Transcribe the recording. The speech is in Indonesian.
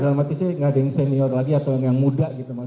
selamat isi gak ada yang senior lagi atau yang muda gitu mas